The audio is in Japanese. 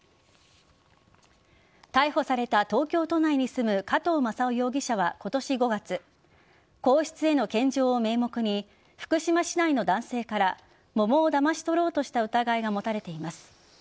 逮捕された東京都内に住む加藤正夫容疑者は今年５月皇室への献上を名目に福島市内の男性から桃をだまし取ろうとした疑いが持たれています。